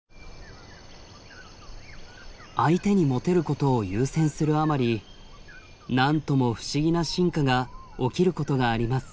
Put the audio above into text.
相手にモテることを優先するあまりなんとも不思議な進化が起きることがあります。